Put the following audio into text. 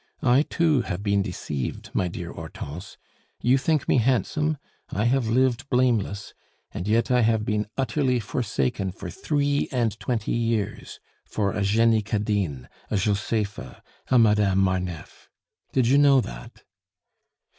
I, too, have been deceived, my dear Hortense; you think me handsome, I have lived blameless; and yet I have been utterly forsaken for three and twenty years for a Jenny Cadine, a Josepha, a Madame Marneffe! Did you know that?"